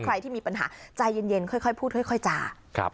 ใครที่มีปัญหาใจเย็นค่อยพูดค่อยจาก